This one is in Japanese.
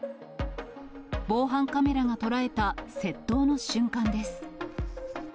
防犯カメラが捉えた窃盗の瞬間です。